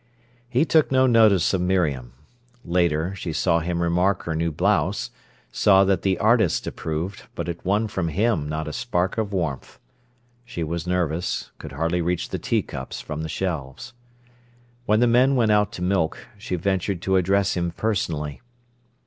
He took no notice of Miriam. Later, she saw him remark her new blouse, saw that the artist approved, but it won from him not a spark of warmth. She was nervous, could hardly reach the teacups from the shelves. When the men went out to milk, she ventured to address him personally.